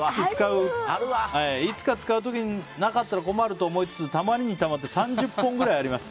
いつか使う時になかったら困ると思いつつたまりにたまって３０本くらいあります。